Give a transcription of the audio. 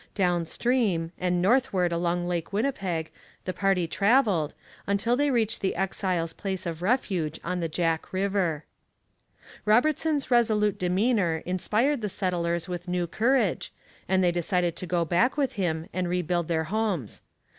Down stream, and northward along Lake Winnipeg, the party travelled, until they reached the exiles' place of refuge on the Jack river. Robertson's resolute demeanour inspired the settlers with new courage, and they decided to go back with him and rebuild their homes.